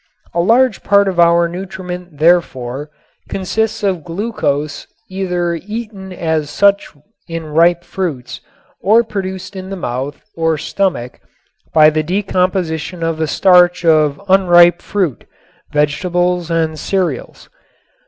A large part of our nutriment, therefore, consists of glucose either eaten as such in ripe fruits or produced in the mouth or stomach by the decomposition of the starch of unripe fruit, vegetables and cereals.